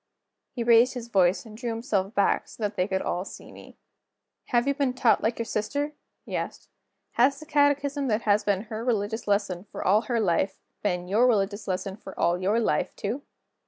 He raised his voice, and drew himself back so that they could all see me. "Have you been taught like your sister?" he asked. "Has the catechism that has been her religious lesson, for all her life, been your religious lesson, for all your life, too?"